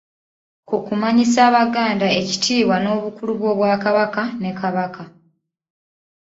Ku kumanyisa Abaganda ekitiibwa n’Obukulu bw’Obwakabaka ne Kabaka.